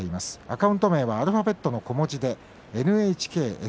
アカウント名はアルファベットの小文字でｎｈｋｓｕｍｏです。